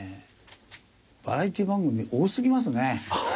バラエティ番組多すぎますね。